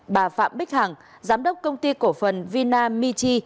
bà phạm bích hằng giám đốc công ty cổ phần vinamichi